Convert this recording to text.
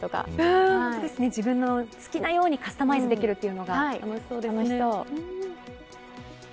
自分の好きなようにカスタマイズできるというのが楽しそうですよね。